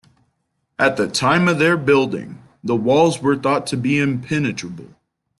At the time of their building, the walls were thought to be impenetrable.